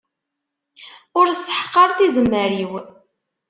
Ur sseḥqar tizemmar-iw.